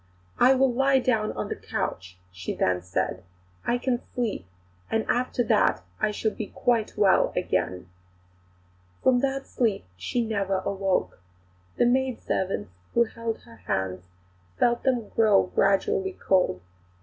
"I will lie down on the couch," she then said. "I can sleep, and after that I shall be quite well again." From that sleep she never awoke. The maidservants who held her hands felt them grow gradually cold.